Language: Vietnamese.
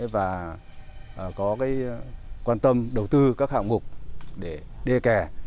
và có quan tâm đầu tư các hạng mục để đê kè